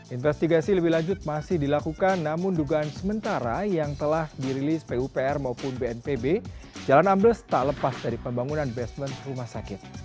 investigasi lebih lanjut masih dilakukan namun dugaan sementara yang telah dirilis pupr maupun bnpb jalan ambles tak lepas dari pembangunan basement rumah sakit